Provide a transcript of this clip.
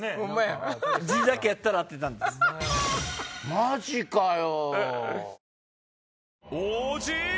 マジかよ。